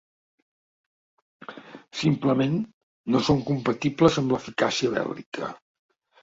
Simplement, no són compatibles amb l'eficàcia bèl·lica.